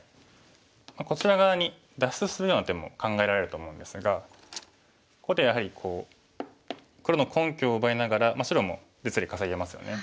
こちら側に脱出するような手も考えられると思うんですがここでやはり黒の根拠を奪いながら白も実利稼げますよね。